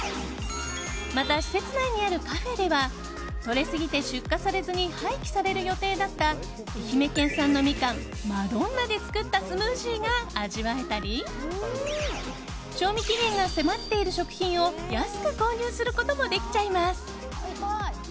また、施設内にあるカフェではとれすぎて出荷されずに廃棄される予定だった愛媛県産のミカンまどんなで作ったスムージーが味わえたり賞味期限が迫っている食品を安く購入することもできちゃいます。